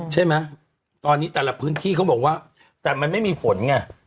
ใช่ไหมตอนนี้แต่ละพื้นที่เขาบอกว่าแต่มันไม่มีฝนไง